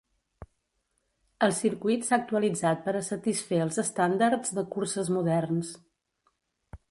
El circuit s'ha actualitzat per a satisfer els estàndards de curses moderns.